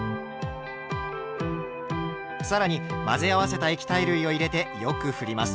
更に混ぜ合わせた液体類を入れてよくふります。